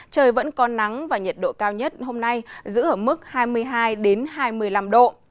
trời vẫn có nắng và nhiệt độ cao nhất hôm nay giữ ở mức hai mươi hai hai mươi năm độ